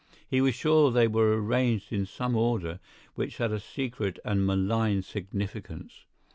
He was sure they were arranged in some order which had a secret and malign significance.